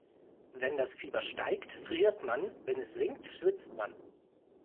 Wenn das Fieber steigt, friert man, wenn es sinkt, schwitzt man.